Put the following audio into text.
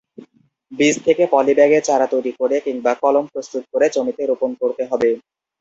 বীজ থেকে পলি ব্যাগে চারা তৈরি করে কিংবা কলম প্রস্তুত করে জমিতে রোপণ করতে হবে।